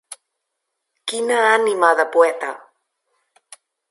Quina ànima de poeta!